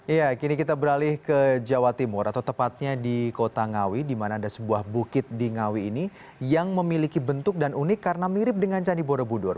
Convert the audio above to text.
ya kini kita beralih ke jawa timur atau tepatnya di kota ngawi di mana ada sebuah bukit di ngawi ini yang memiliki bentuk dan unik karena mirip dengan candi borobudur